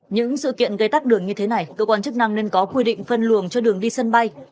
những sự kiện gây tắt đường như thế này cơ quan chức năng nên có quy định phân luồng cho đường đi sân bay